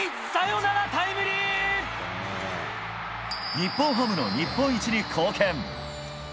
日本ハムの日本一に貢献。